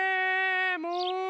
もう！